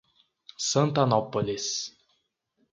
Santanópolis